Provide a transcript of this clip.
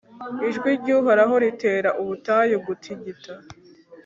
ijwi ry'uhoraho ritera ubutayu gutigita